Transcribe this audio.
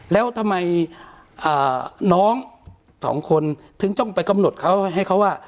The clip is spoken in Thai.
แล้วทำไมน้องสองคนถึงต้องไปกำหนดเขาให้เขาว่า